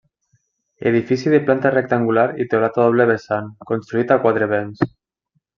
Edifici de planta rectangular i teulat a doble vessant construït a quatre vents.